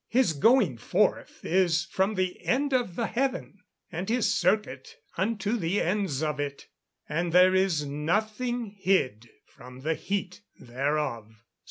[Verse: "His going forth is from the end of the heaven, and his circuit unto the ends of it; and there is nothing hid from the heat thereof."